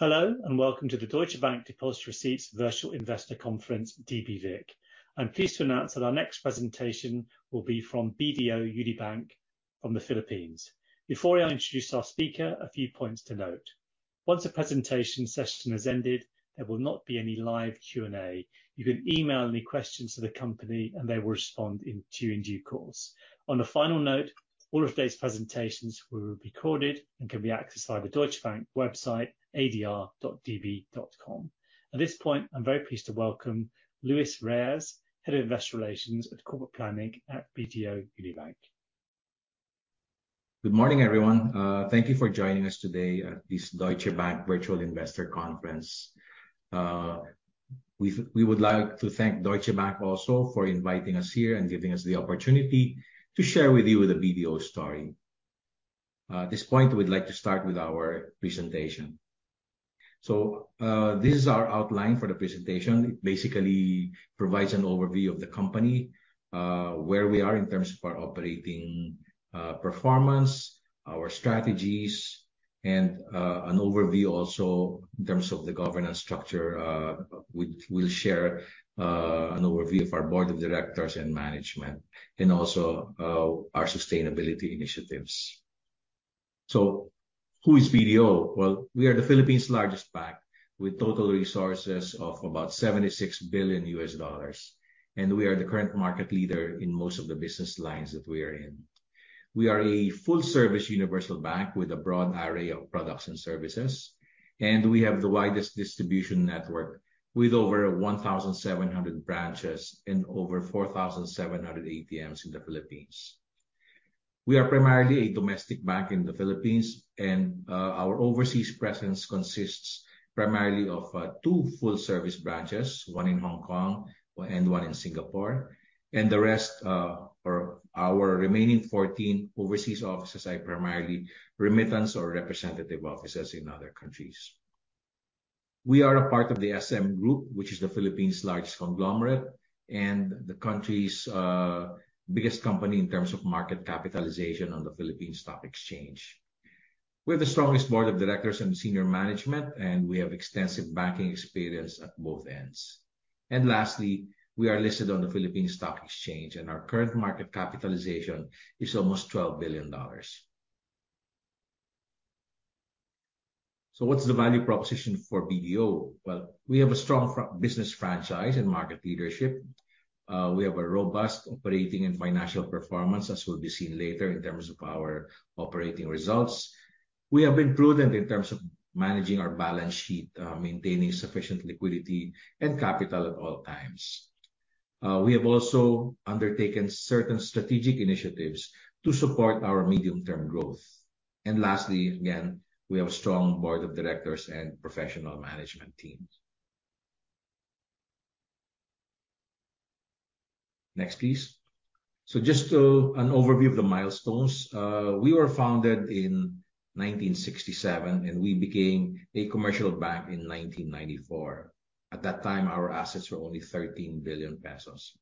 Hello, welcome to the Deutsche Bank Deposit Receipts Virtual Investor Conference, DBVIC. I am pleased to announce that our next presentation will be from BDO Unibank from the Philippines. Before I introduce our speaker, a few points to note. Once a presentation session has ended, there will not be any live Q&A. You can email any questions to the company and they will respond to you in due course. On a final note, all of today's presentations will be recorded and can be accessed via the Deutsche Bank website, adr.db.com. At this point, I am very pleased to welcome Luis Reyes, Head of Investor Relations at Corporate Planning at BDO Unibank. Good morning, everyone. Thank you for joining us today at this Deutsche Bank Virtual Investor Conference. We would like to thank Deutsche Bank also for inviting us here and giving us the opportunity to share with you the BDO story. At this point, we would like to start with our presentation. This is our outline for the presentation. It basically provides an overview of the company, where we are in terms of our operating performance, our strategies, and an overview also in terms of the governance structure. We will share an overview of our Board of Directors and management and also our sustainability initiatives. Who is BDO? Well, we are the Philippines' largest bank with total resources of about $76 billion USD, and we are the current market leader in most of the business lines that we are in. We are a full-service universal bank with a broad array of products and services, and we have the widest distribution network with over 1,700 branches and over 4,700 ATMs in the Philippines. We are primarily a domestic bank in the Philippines and our overseas presence consists primarily of two full-service branches, one in Hong Kong and one in Singapore, and the rest, or our remaining 14 overseas offices are primarily remittance or representative offices in other countries. We are a part of the SM Group, which is the Philippines' largest conglomerate and the country's biggest company in terms of market capitalization on the Philippine Stock Exchange. We have the strongest Board of Directors and senior management, and we have extensive banking experience at both ends. Lastly, we are listed on the Philippine Stock Exchange and our current market capitalization is almost $12 billion. What is the value proposition for BDO? Well, we have a strong business franchise and market leadership. We have a robust operating and financial performance, as will be seen later in terms of our operating results. We have been prudent in terms of managing our balance sheet, maintaining sufficient liquidity and capital at all times. We have also undertaken certain strategic initiatives to support our medium-term growth. Lastly, again, we have a strong Board of Directors and professional management teams. Next, please. Just an overview of the milestones. We were founded in 1967, and we became a commercial bank in 1994. At that time, our assets were only 13 billion pesos.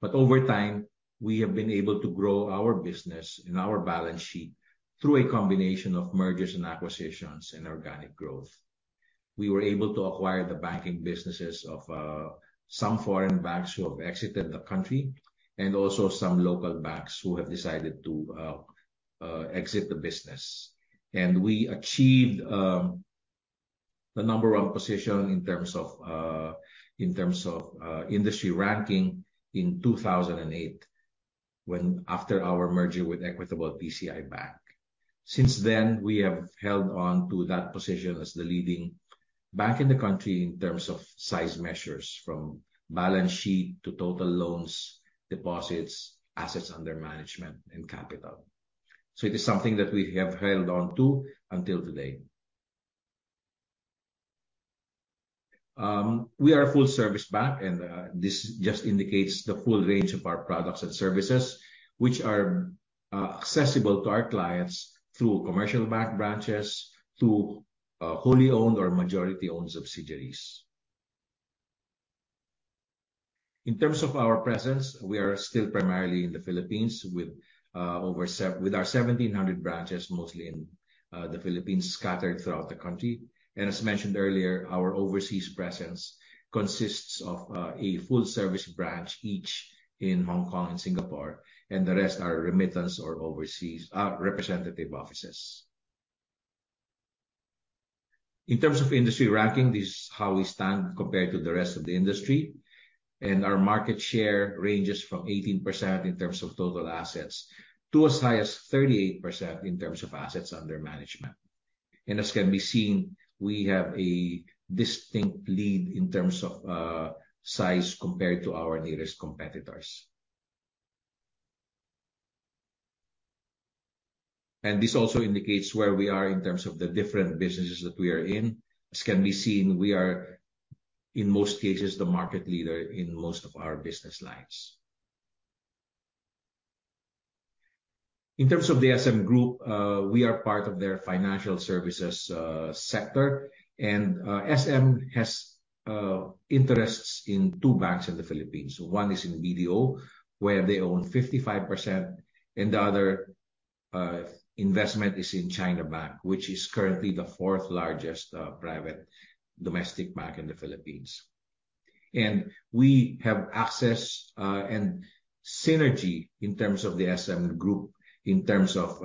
Over time, we have been able to grow our business and our balance sheet through a combination of mergers and acquisitions and organic growth. We were able to acquire the banking businesses of some foreign banks who have exited the country and also some local banks who have decided to exit the business. We achieved the number 1 position in terms of industry ranking in 2008, after our merger with Equitable PCI Bank. Since then, we have held on to that position as the leading bank in the country in terms of size measures, from balance sheet to total loans, deposits, assets under management and capital. It is something that we have held on to until today. We are a full-service bank and this just indicates the full range of our products and services, which are accessible to our clients through commercial bank branches to wholly owned or majority-owned subsidiaries. In terms of our presence, we are still primarily in the Philippines with our 1,700 branches, mostly in the Philippines, scattered throughout the country. As mentioned earlier, our overseas presence consists of a full-service branch each in Hong Kong and Singapore, and the rest are remittance or representative offices. In terms of industry ranking, this is how we stand compared to the rest of the industry, and our market share ranges from 18% in terms of total assets to as high as 38% in terms of assets under management. As can be seen, we have a distinct lead in terms of size compared to our nearest competitors. This also indicates where we are in terms of the different businesses that we are in. As can be seen, we are, in most cases, the market leader in most of our business lines. In terms of the SM Group, we are part of their financial services sector, and SM has interests in two banks in the Philippines. One is in BDO, where they own 55%, and the other Investment is in China Bank, which is currently the fourth largest private domestic bank in the Philippines. We have access and synergy in terms of the SM Group, in terms of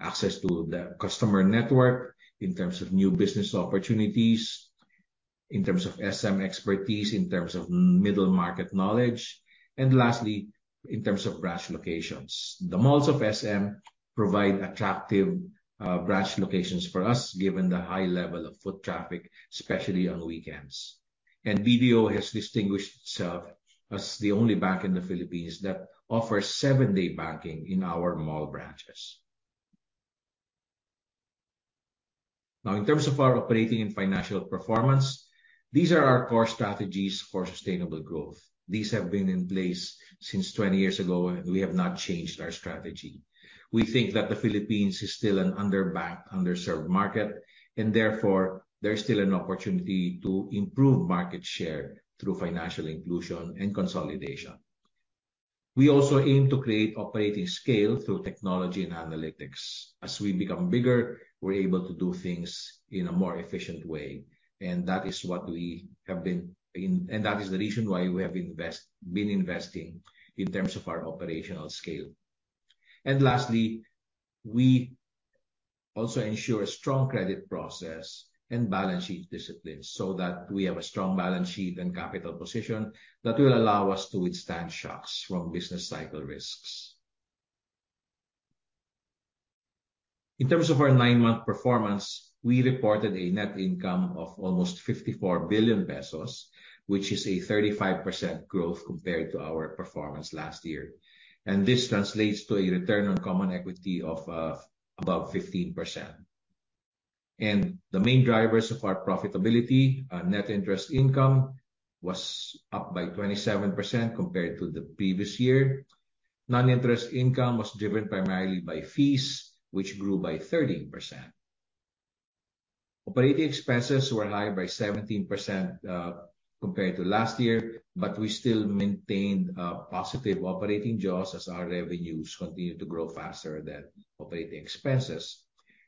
access to the customer network, in terms of new business opportunities, in terms of SM expertise, in terms of middle-market knowledge, and lastly, in terms of branch locations. The malls of SM provide attractive branch locations for us, given the high level of foot traffic, especially on weekends. BDO has distinguished itself as the only bank in the Philippines that offers seven-day banking in our mall branches. Now, in terms of our operating and financial performance, these are our core strategies for sustainable growth. These have been in place since 20 years ago, and we have not changed our strategy. We think that the Philippines is still an underbanked, underserved market, and therefore, there is still an opportunity to improve market share through financial inclusion and consolidation. We also aim to create operating scale through technology and analytics. As we become bigger, we're able to do things in a more efficient way, and that is the reason why we have been investing in terms of our operational scale. Lastly, we also ensure strong credit process and balance sheet discipline so that we have a strong balance sheet and capital position that will allow us to withstand shocks from business cycle risks. In terms of our nine-month performance, we reported a net income of almost 54 billion pesos, which is a 35% growth compared to our performance last year. This translates to a return on common equity of above 15%. The main drivers of our profitability, net interest income was up by 27% compared to the previous year. Non-interest income was driven primarily by fees, which grew by 13%. Operating expenses were higher by 17% compared to last year, but we still maintained positive operating jaws as our revenues continued to grow faster than operating expenses,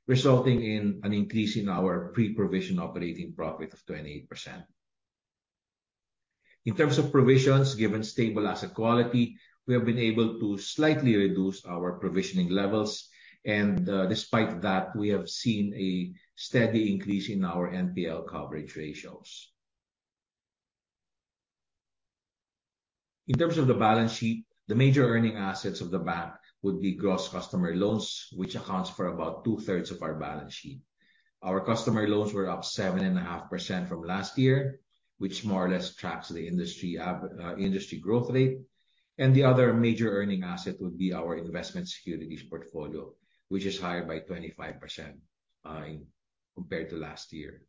resulting in an increase in our pre-provision operating profit of 28%. In terms of provisions, given stable asset quality, we have been able to slightly reduce our provisioning levels. Despite that, we have seen a steady increase in our NPL coverage ratios. In terms of the balance sheet, the major earning assets of the bank would be gross customer loans, which accounts for about two-thirds of our balance sheet. Our customer loans were up 7.5% from last year, which more or less tracks the industry growth rate. The other major earning asset would be our investment securities portfolio, which is higher by 25% compared to last year.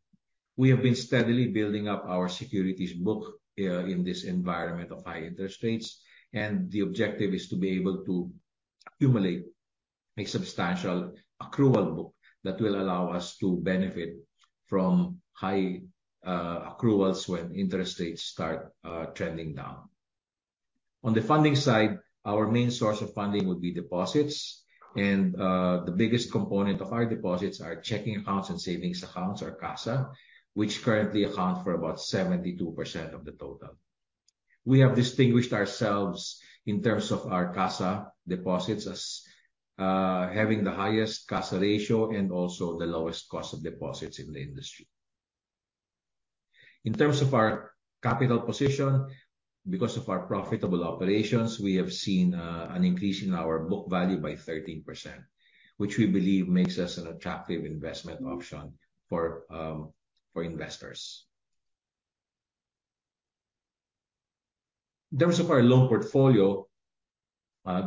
We have been steadily building up our securities book in this environment of high interest rates. The objective is to be able to accumulate a substantial accrual book that will allow us to benefit from high accruals when interest rates start trending down. On the funding side, our main source of funding would be deposits. The biggest component of our deposits are checking accounts and savings accounts or CASA, which currently account for about 72% of the total. We have distinguished ourselves in terms of our CASA deposits as having the highest CASA ratio and also the lowest cost of deposits in the industry. In terms of our capital position, because of our profitable operations, we have seen an increase in our book value by 13%, which we believe makes us an attractive investment option for investors. In terms of our loan portfolio,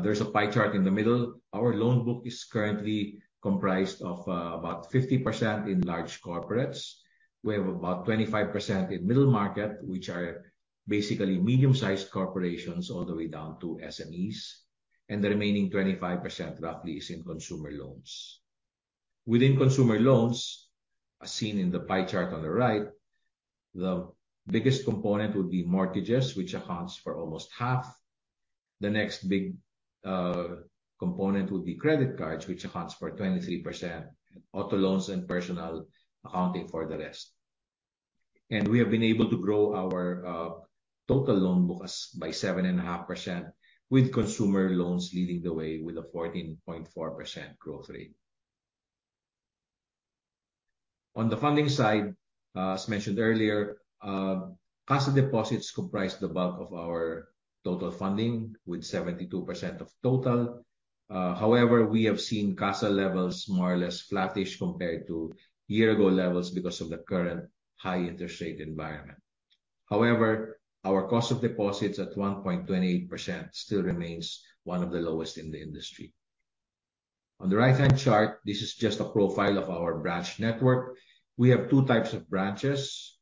there's a pie chart in the middle. Our loan book is currently comprised of about 50% in large corporates. We have about 25% in middle market, which are basically medium-sized corporations all the way down to SMEs. The remaining 25% roughly is in consumer loans. Within consumer loans, as seen in the pie chart on the right, the biggest component would be mortgages, which accounts for almost half. The next big component would be credit cards, which accounts for 23%, auto loans and personal accounting for the rest. We have been able to grow our total loan book by 7.5% with consumer loans leading the way with a 14.4% growth rate. On the funding side, as mentioned earlier, CASA deposits comprise the bulk of our total funding with 72% of total. However, we have seen CASA levels more or less flattish compared to year-ago levels because of the current high interest rate environment. However, our cost of deposits at 1.28% still remains one of the lowest in the industry. On the right-hand chart, this is just a profile of our branch network. We have 2 types of branches.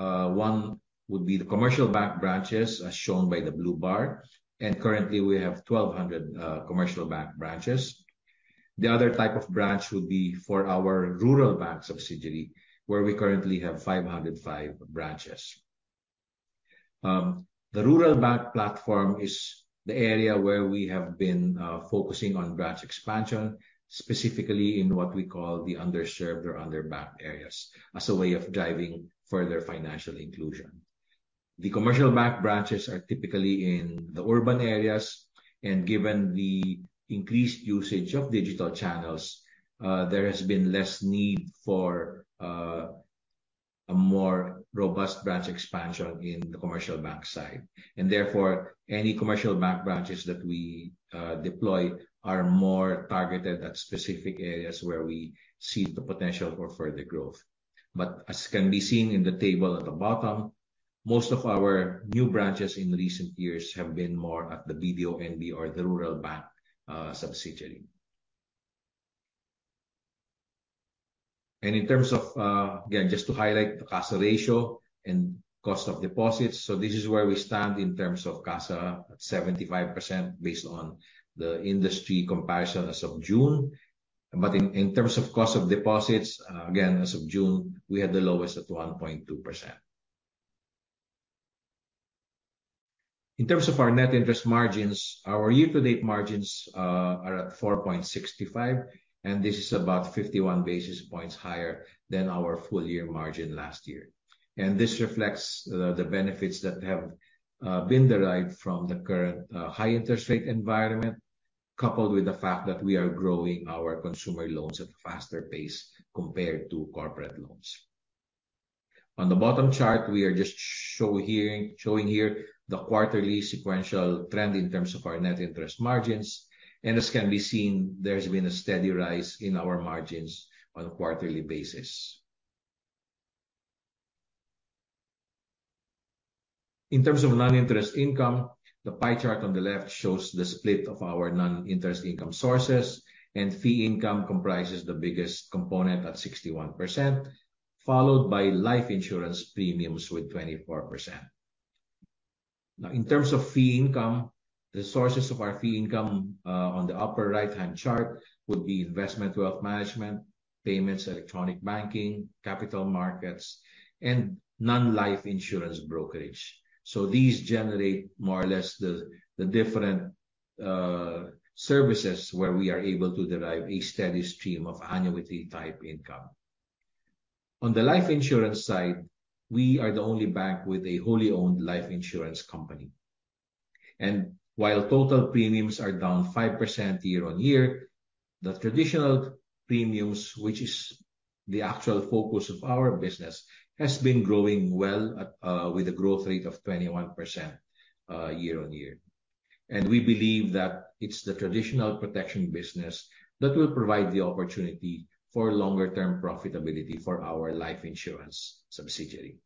One would be the commercial bank branches, as shown by the blue bar. Currently, we have 1,200 commercial bank branches. The other type of branch would be for our rural bank subsidiary, where we currently have 505 branches. The rural bank platform is the area where we have been focusing on branch expansion, specifically in what we call the underserved or under-banked areas, as a way of driving further financial inclusion. The commercial bank branches are typically in the urban areas, given the increased usage of digital channels, there has been less need for a more robust branch expansion in the commercial bank side. Therefore, any commercial bank branches that we deploy are more targeted at specific areas where we see the potential for further growth. As can be seen in the table at the bottom, most of our new branches in recent years have been more at the BDO NB or the rural bank subsidiary. In terms of, again, just to highlight the CASA ratio and cost of deposits. This is where we stand in terms of CASA at 75% based on the industry comparison as of June. In terms of cost of deposits, again, as of June, we had the lowest at 1.2%. In terms of our net interest margins, our year-to-date margins are at 4.65%, and this is about 51 basis points higher than our full-year margin last year. This reflects the benefits that have been derived from the current high interest rate environment, coupled with the fact that we are growing our consumer loans at a faster pace compared to corporate loans. On the bottom chart, we are just showing here the quarterly-sequential trend in terms of our net interest margins. As can be seen, there's been a steady rise in our margins on a quarterly basis. In terms of non-interest income, the pie chart on the left shows the split of our non-interest income sources, fee income comprises the biggest component at 61%, followed by life insurance premiums with 24%. In terms of fee income, the sources of our fee income, on the upper right-hand chart, would be investment wealth management, payments, electronic banking, capital markets, and non-life insurance brokerage. These generate more or less the different services where we are able to derive a steady stream of annuity-type income. On the life insurance side, we are the only bank with a wholly-owned life insurance company. While total premiums are down 5% year-on-year, the traditional premiums, which is the actual focus of our business, has been growing well with a growth rate of 21% year-on-year. We believe that it's the traditional protection business that will provide the opportunity for longer-term profitability for our life insurance subsidiary.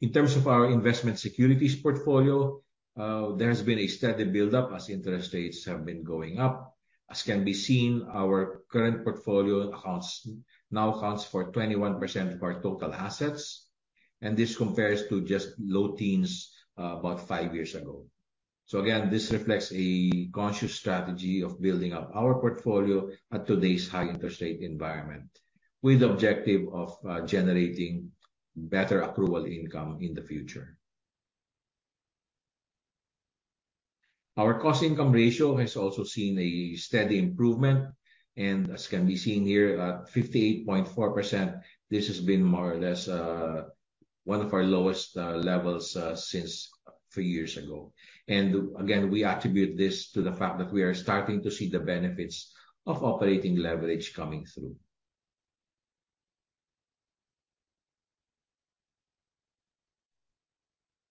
In terms of our investment securities portfolio, there has been a steady build-up as interest rates have been going up. As can be seen, our current portfolio now accounts for 21% of our total assets, and this compares to just low teens about five years ago. Again, this reflects a conscious strategy of building up our portfolio at today's high interest rate environment, with the objective of generating better accrual income in the future. Our cost income ratio has also seen a steady improvement. As can be seen here, at 58.4%, this has been more or less one of our lowest levels since three years ago. Again, we attribute this to the fact that we are starting to see the benefits of operating leverage coming through.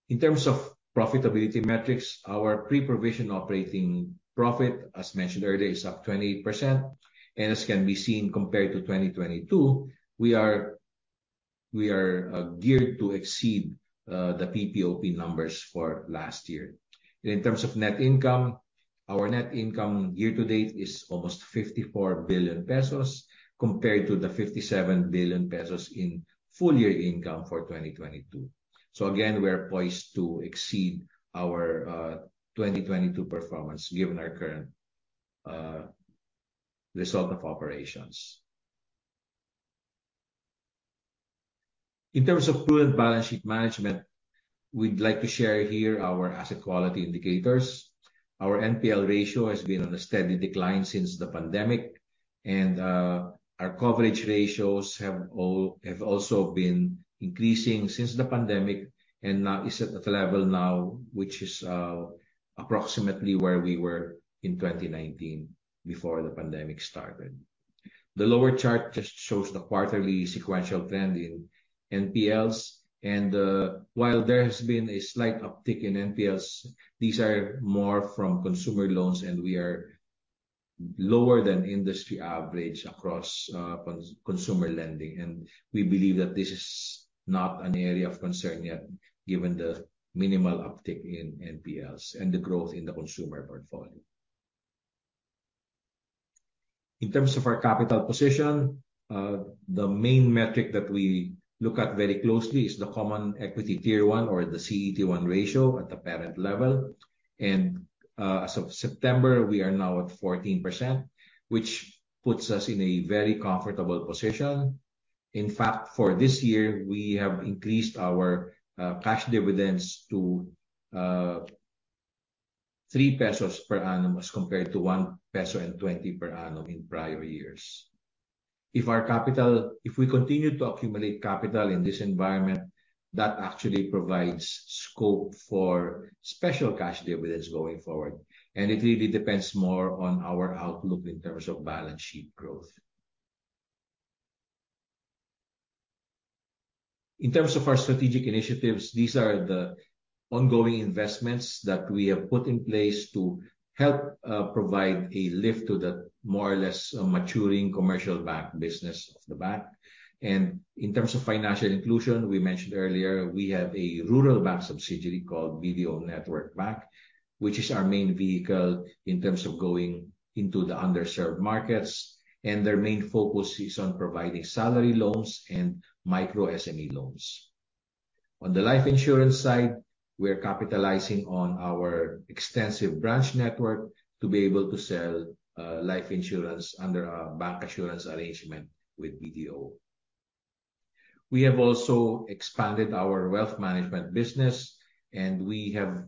In terms of profitability metrics, our pre-provision operating profit, as mentioned earlier, is up 20%. As can be seen, compared to 2022, we are geared to exceed the PPOP numbers for last year. In terms of net income, our net income year to date is almost 54 billion pesos, compared to the 57 billion pesos in full-year income for 2022. Again, we're poised to exceed our 2022 performance given our current result of operations. In terms of prudent balance sheet management, we'd like to share here our asset quality indicators. Our NPL ratio has been on a steady decline since the pandemic. Our coverage ratios have also been increasing since the pandemic and now is at a level which is approximately where we were in 2019 before the pandemic started. The lower chart just shows the quarterly sequential trend in NPLs. While there has been a slight uptick in NPLs, these are more from consumer loans, and we are lower than industry average across consumer lending. We believe that this is not an area of concern yet, given the minimal uptick in NPLs and the growth in the consumer portfolio. In terms of our capital position, the main metric that we look at very closely is the common equity tier 1 or the CET1 ratio at the parent level. As of September, we are now at 14%, which puts us in a very comfortable position. In fact, for this year, we have increased our cash dividends to 3 pesos per annum as compared to 1.20 peso per annum in prior years. If we continue to accumulate capital in this environment, that actually provides scope for special cash dividends going forward. It really depends more on our outlook in terms of balance sheet growth. In terms of our strategic initiatives, these are the ongoing investments that we have put in place to help provide a lift to the more or less maturing commercial bank business of the bank. In terms of financial inclusion, we mentioned earlier, we have a rural bank subsidiary called BDO Network Bank, which is our main vehicle in terms of going into the underserved markets, and their main focus is on providing salary loans and micro SME loans. On the life insurance side, we're capitalizing on our extensive branch network to be able to sell life insurance under our bank insurance arrangement with BDO. We have also expanded our wealth management business. We have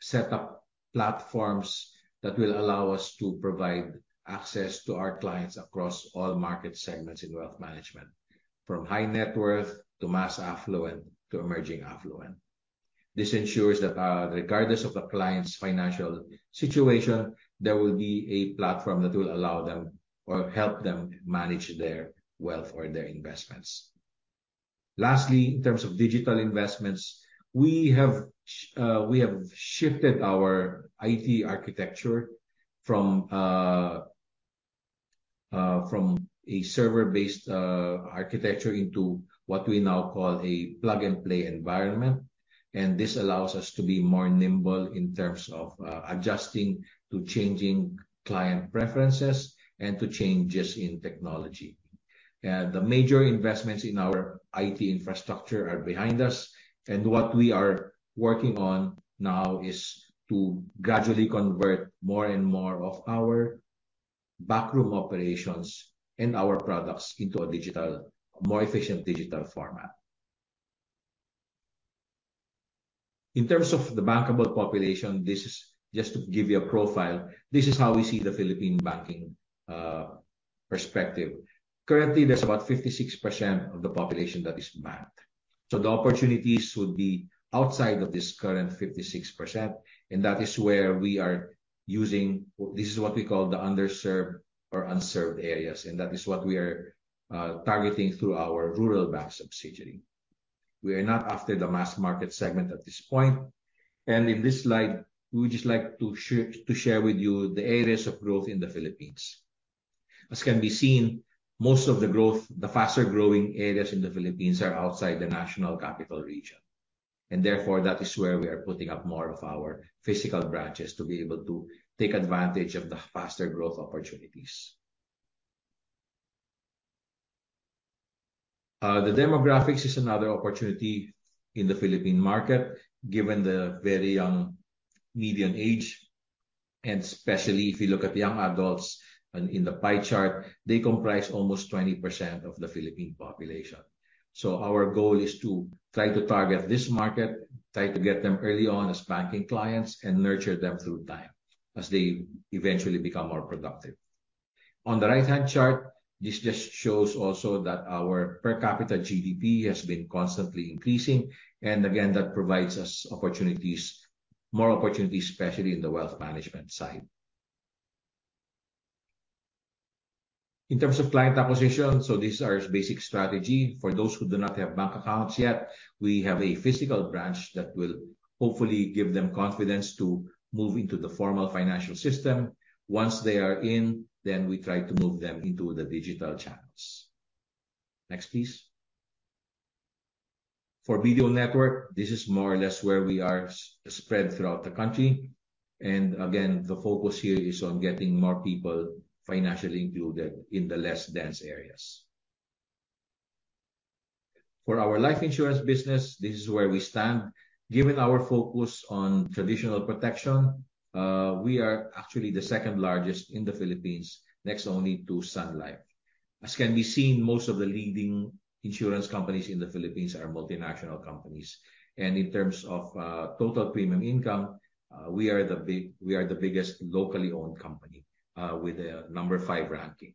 set up platforms that will allow us to provide access to our clients across all market segments in wealth management, from high net worth to mass affluent to emerging affluent. This ensures that regardless of the client's financial situation, there will be a platform that will allow them or help them manage their wealth or their investments. Lastly, in terms of digital investments, we have shifted our IT architecture from a server-based architecture into what we now call a plug-and-play environment. This allows us to be more nimble in terms of adjusting to changing client preferences and to changes in technology. The major investments in our IT infrastructure are behind us, what we are working on now is to gradually convert more and more of our backroom operations and our products into a more efficient digital format. In terms of the bankable population, just to give you a profile, this is how we see the Philippine banking perspective. Currently, there is about 56% of the population that is banked. The opportunities would be outside of this current 56%, and this is what we call the underserved or unserved areas, that is what we are targeting through our rural bank subsidiary. We are not after the mass market segment at this point. In this slide, we would just like to share with you the areas of growth in the Philippines. As can be seen, most of the growth, the faster-growing areas in the Philippines are outside the National Capital Region, therefore, that is where we are putting up more of our physical branches to be able to take advantage of the faster growth opportunities. The demographics is another opportunity in the Philippine market, given the very young median age, especially if you look at young adults in the pie chart, they comprise almost 20% of the Philippine population. Our goal is to try to target this market, try to get them early on as banking clients, nurture them through time as they eventually become more productive. On the right-hand chart, this just shows also that our per capita GDP has been constantly increasing, again, that provides us more opportunities, especially in the wealth management side. In terms of client acquisition, this is our basic strategy. For those who do not have bank accounts yet, we have a physical branch that will hopefully give them confidence to move into the formal financial system. Once they are in, we try to move them into the digital channels. Next, please. For BDO Network, this is more or less where we are spread throughout the country. Again, the focus here is on getting more people financially included in the less dense areas. For our life insurance business, this is where we stand. Given our focus on traditional protection, we are actually the second largest in the Philippines, next only to Sun Life. As can be seen, most of the leading insurance companies in the Philippines are multinational companies. In terms of total premium income, we are the biggest locally owned company, with a number 5 ranking.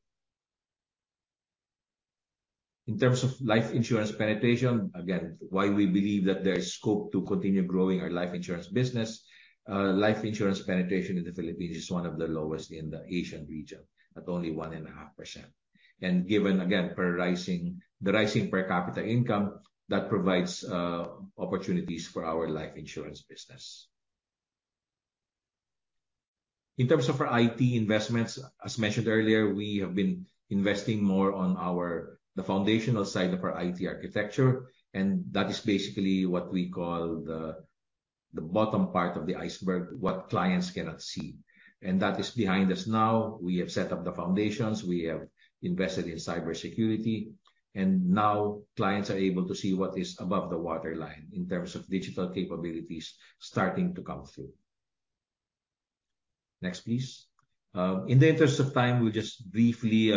In terms of life insurance penetration, again, why we believe that there is scope to continue growing our life insurance business, life insurance penetration in the Philippines is one of the lowest in the Asian region, at only one and a half percent. Given, again, the rising per capita income, that provides opportunities for our life insurance business. In terms of our IT investments, as mentioned earlier, we have been investing more on the foundational side of our IT architecture, that is basically what we call the bottom part of the iceberg, what clients cannot see. That is behind us now. We have set up the foundations, we have invested in cybersecurity. Now clients are able to see what is above the waterline in terms of digital capabilities starting to come through. Next, please. In the interest of time, we'll just briefly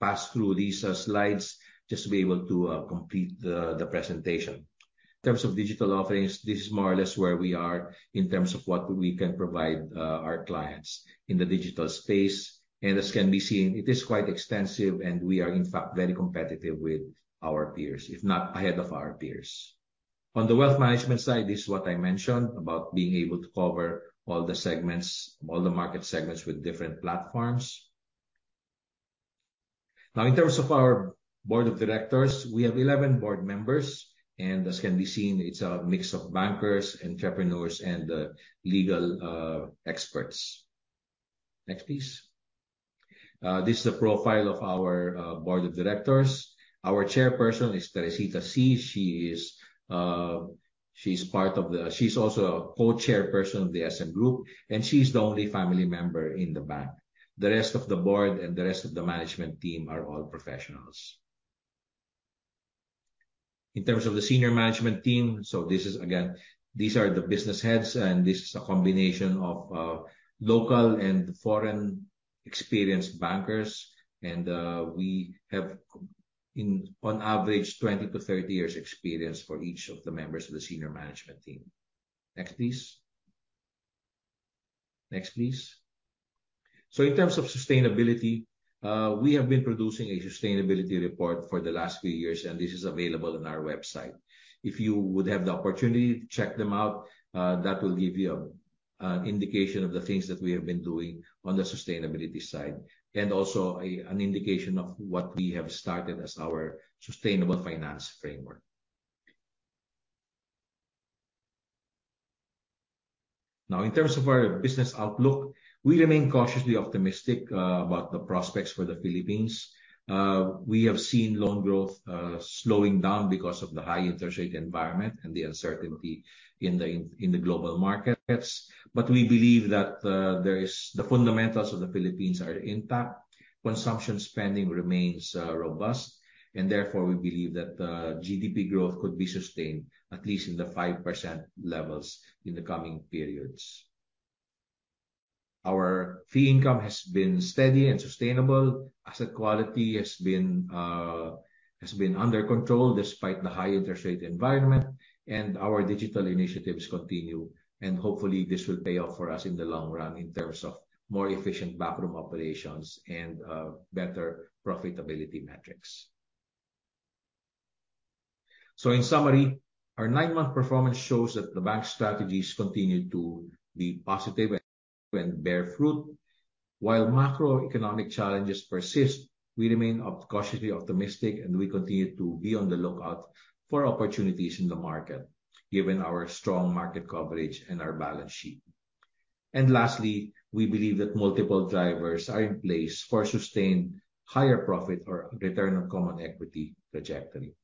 pass through these slides just to be able to complete the presentation. In terms of digital offerings, this is more or less where we are in terms of what we can provide our clients in the digital space. As can be seen, it is quite extensive, and we are, in fact, very competitive with our peers, if not ahead of our peers. On the wealth management side, this is what I mentioned about being able to cover all the market segments with different platforms. In terms of our board of directors, we have 11 board members, and as can be seen, it's a mix of bankers, entrepreneurs, and legal experts. Next, please. This is a profile of our board of directors. Our Chairperson is Teresita Sy. She's also a Co-Chairperson of the SM Group, and she's the only family member in the bank. The rest of the board and the rest of the management team are all professionals. In terms of the senior management team, this is, again, these are the business heads, and this is a combination of local and foreign experienced bankers. We have on average 20 to 30 years experience for each of the members of the senior management team. Next, please. In terms of sustainability, we have been producing a sustainability report for the last few years, and this is available on our website. If you would have the opportunity to check them out, that will give you an indication of the things that we have been doing on the sustainability side and also an indication of what we have started as our sustainable finance framework. In terms of our business outlook, we remain cautiously optimistic about the prospects for the Philippines. We have seen loan growth slowing down because of the high interest rate environment and the uncertainty in the global markets. We believe that the fundamentals of the Philippines are intact. Consumption spending remains robust, and therefore, we believe that the GDP growth could be sustained at least in the 5% levels in the coming periods. Our fee income has been steady and sustainable. Asset quality has been under control despite the high interest rate environment. Our digital initiatives continue, and hopefully, this will pay off for us in the long run in terms of more efficient backroom operations and better profitability metrics. In summary, our nine-month performance shows that the bank strategies continued to be positive and bear fruit. While macroeconomic challenges persist, we remain cautiously optimistic, and we continue to be on the lookout for opportunities in the market, given our strong market coverage and our balance sheet. Lastly, we believe that multiple drivers are in place for sustained higher profit or return on common equity trajectory.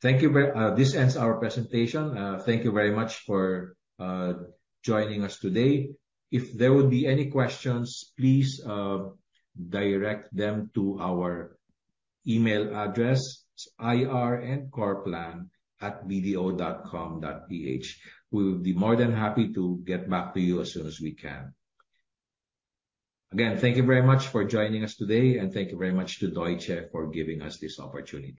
Thank you. This ends our presentation. Thank you very much for joining us today. If there would be any questions, please direct them to our email address, irandcorplan@bdo.com.ph. We will be more than happy to get back to you as soon as we can. Again, thank you very much for joining us today, and thank you very much to Deutsche for giving us this opportunity.